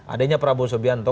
adanya prabowo soebento